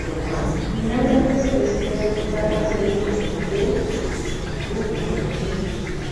Finalmente se decidió adoptar las leyes del rugby.